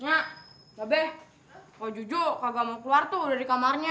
nyamama babe poh jujuk kagak mau keluar tuh udah dikamarnya